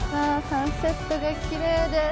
サンセットがきれいです。